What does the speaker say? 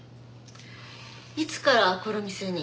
いつからこの店に？